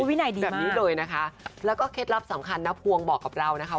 วินัยดีมากนะคะแล้วก็เคล็ดลับสำคัญน้าภวงบอกกับเรานะคะ